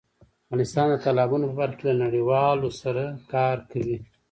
افغانستان د تالابونو په برخه کې له نړیوالو سره کار کوي.